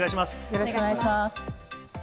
よろしくお願いします。